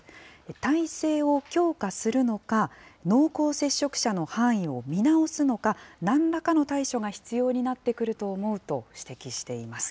体制を強化するのか、濃厚接触者の範囲を見直すのか、なんらかの対処が必要になってくると思うと指摘しています。